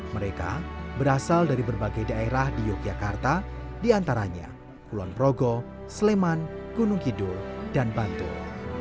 mereka berasal dari berbagai daerah di yogyakarta diantaranya kulon progo sleman gunung kidul dan bantul